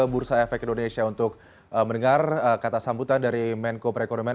bursa efek indonesia untuk mendengar kata sambutan dari menko perekonomian